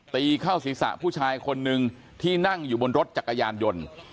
ตีเข้าศีรษะผู้ชายคนนึงที่นั่งอยู่บนรถจักรยานยนต์